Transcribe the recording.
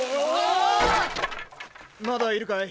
まだいるかい？